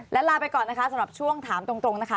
และลาไปก่อนนะคะสำหรับช่วงถามตรงนะคะ